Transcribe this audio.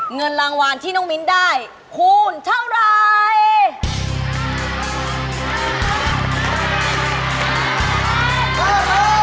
เงินรางวัลที่น้องมิ้นได้คูณเท่าไหร่